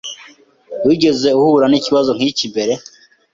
Wigeze uhura nikibazo nkiki mbere?